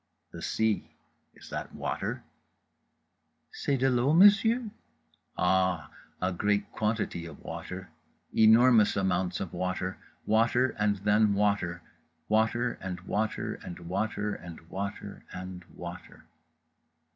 The sea: is that water?—"c'est de l'eau, monsieur?" Ah: a great quantity of water; enormous amounts of water, water and then water; water and water and water and water and water.